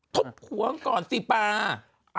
ทุบหัวของก่อนสิป่า